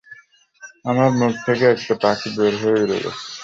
আমার মুখ থেকে একটি পাখি বেরিয়ে উড়ে গেছে।